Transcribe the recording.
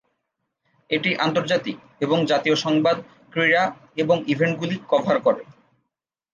এটি আন্তর্জাতিক এবং জাতীয় সংবাদ, ক্রীড়া এবং ইভেন্টগুলি কভার করে।